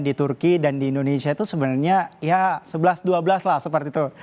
di turki dan di indonesia itu sebenarnya ya sebelas dua belas lah seperti itu